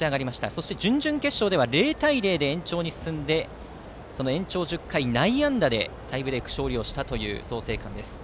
そして準々決勝では０対０で延長に進み延長１０回、内野安打でタイブレークで勝利したという創成館です。